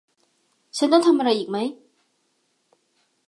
ฉันต้องทำอะไรอีกไหม